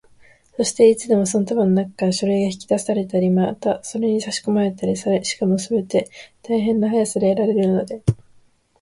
そして、いつでもその束のなかから書類が引き出されたり、またそれにさしこまれたりされ、しかもすべて大変な速さでやられるので、